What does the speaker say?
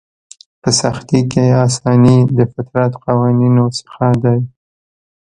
په سختي کې اساني د فطرت قوانینو څخه دی.